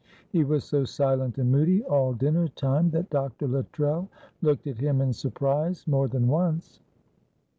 He was so silent and moody all dinner time that Dr. Luttrell looked at him in surprise more than once.